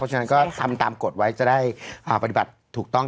ฉะนั้นก็ทำตามกฎไว้จะได้ปฏิบัติถูกต้อง